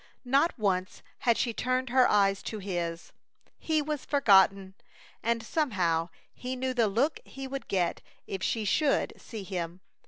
Not once had she turned her eyes to his. He was forgotten, and somehow he knew the look he would get if she should see him.